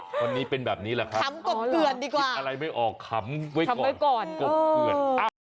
วันนี้เป็นแบบนี้แหละครับคิดอะไรไม่ออกคำไว้ก่อนคำไว้ก่อน